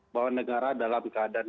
bahwa negara dalam keadaan